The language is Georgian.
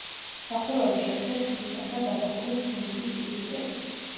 სახურავი შეკრეს ხისგან და გადახურეს თუნუქის ფირფიტებით.